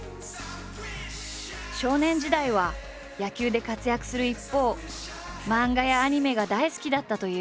少年時代は野球で活躍する一方漫画やアニメが大好きだったという。